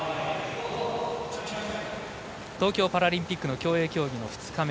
東京パラリンピックの競泳競技の２日目。